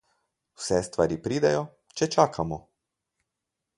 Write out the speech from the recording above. Vse stvari pridejo, če čakamo.